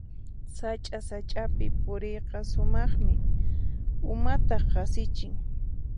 Sacha-sachapi puriyqa sumaqmi, umata qasichin.